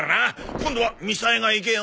今度はみさえが行けよ。